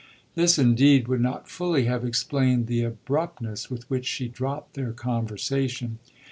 This indeed would not fully have explained the abruptness with which she dropped their conversation.